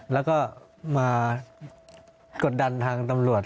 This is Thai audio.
แล้วก็มากดดันทางตำรวจ